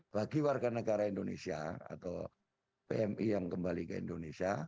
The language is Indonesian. bagi warga negara indonesia atau pmi yang kembali ke indonesia